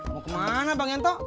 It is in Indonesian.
mau kemana bang yanto